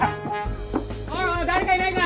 おいおい誰かいないか？